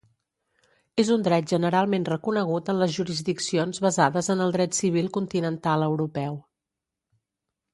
És un dret generalment reconegut en les jurisdiccions basades en el dret civil continental europeu.